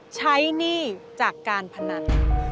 หนี้จากการพนัน